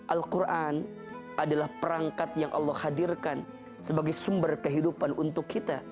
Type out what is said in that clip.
al quran adalah perangkat yang allah hadirkan sebagai sumber kehidupan untuk kita